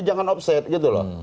jangan offside gitu loh